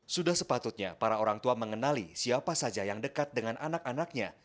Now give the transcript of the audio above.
sudah sepatutnya para orang tua mengenali siapa saja yang dekat dengan anak anaknya